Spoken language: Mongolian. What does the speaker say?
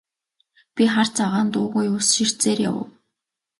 Би хар цагаан дуугүй ус ширтсээр явав.